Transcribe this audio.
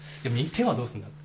手はどうするんだと。